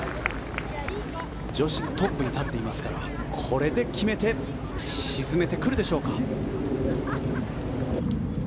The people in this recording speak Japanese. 女子、トップに立っていますからこれで決めて沈めてくるでしょうか。